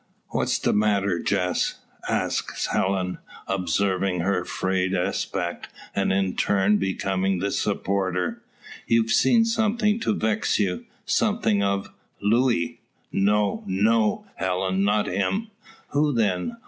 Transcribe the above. "What's the matter, Jess?" asks Helen, observing her frayed aspect, and in turn becoming the supporter. "You've seen something to vex you? something of Luis?" "No no, Helen. Not him." "Who then?"